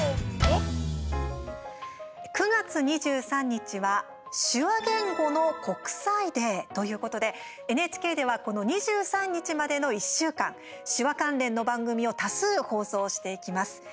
９月２３日は「手話言語の国際デー」ということでＮＨＫではこの２３日までの１週間手話関連の番組を多数、放送していきます。